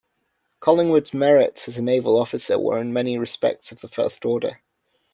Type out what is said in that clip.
Collingwood's merits as a naval officer were in many respects of the first order.